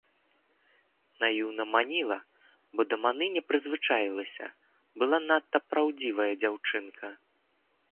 Наіўна маніла, бо да маны не прызвычаілася, была надта праўдзівая дзяўчынка.